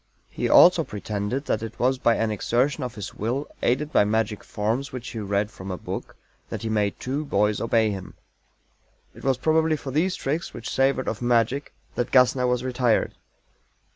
He also pretended that it was by an exertion of his Will, aided by magic forms which he read from a book, that he made two boys obey him. It was probably for these tricks which savored of magic that GASSNER was "retired."